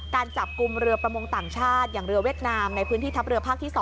การจับกลุ่มเรือประมงต่างชาติอย่างเรือเวียดนามในพื้นที่ทัพเรือภาคที่๒